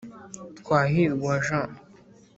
Twahirwa jean